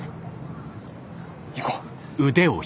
行こう。